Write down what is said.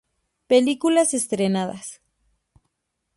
Películas estrenadas